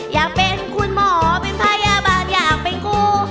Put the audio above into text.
อยากเป็นคุณหมอเป็นพยาบาลอยากเป็นกู้